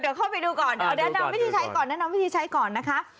เดี๋ยวเข้าไปดูก่อนแนะนำวิธีใช้ก่อนนะคะ